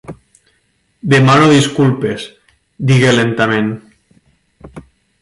Demano disculpes, digué lentament.